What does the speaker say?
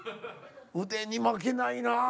腕に巻けないなぁ。